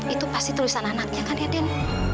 itu pasti tulisan anaknya kan ya den